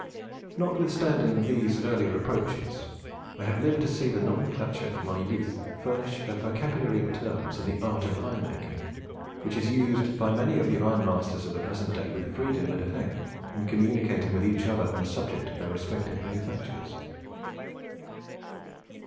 Notwithstanding these early reproaches, I have lived to see the nomenclature of my youth furnish a vocabulary of terms in the art of iron making, which is used by many of the ironmasters of the present day with freedom and effect, in communicating with each other on the subject of their respective manufactures.